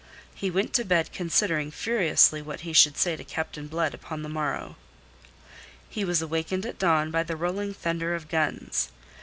He went to bed considering furiously what he should say to Captain Blood upon the morrow. He was awakened at dawn by the rolling thunder of guns.